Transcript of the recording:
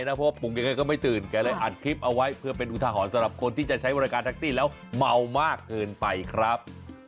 เพราะว่าปลูกยังไงก็ไม่ตื่นแกเลยอัดคลิปเอาไว้เพื่อเป็นอุทหรณ์สำหรับคนที่จะใช้บริการแท็กซี่แล้วเมามากเกินไปครับ